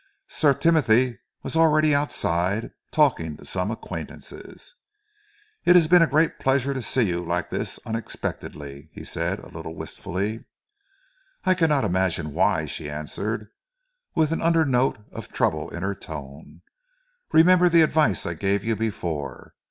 Sir Timothy was already outside, talking to some acquaintances. "It has been a great pleasure to see you like this unexpectedly," he said, a little wistfully. "I cannot imagine why," she answered, with an undernote of trouble in her tone. "Remember the advice I gave you before.